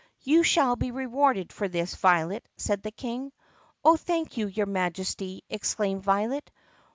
"You shall be rewarded for this, Violet," said the King. "Oh, thank you, your Majesty!" exclaimed Violet.